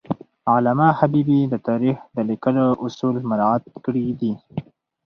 علامه حبیبي د تاریخ د لیکلو اصول مراعات کړي دي.